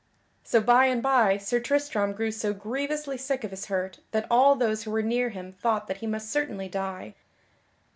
So by and by Sir Tristram grew so grievously sick of his hurt that all those who were near him thought that he must certainly die.